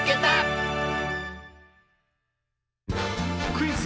クイズ